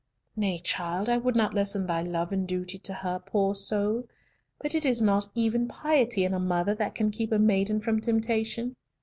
"Nay, child, I would not lessen thy love and duty to her, poor soul, but it is not even piety in a mother that can keep a maiden from temptation.